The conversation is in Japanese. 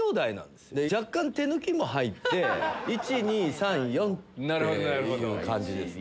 若干手抜きも入って１２３４って感じです。